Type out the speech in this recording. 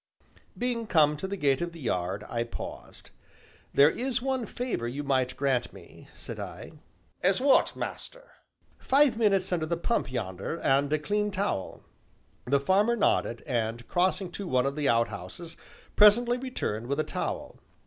Being come to the gate of the yard, I paused. "There is one favor you might grant me," said I. "As what, master?" "Five minutes under the pump yonder, and a clean towel." The farmer nodded, and crossing to one of the outhouses, presently returned with a towel.